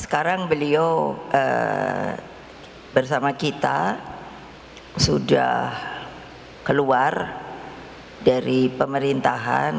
sekarang beliau bersama kita sudah keluar dari pemerintahan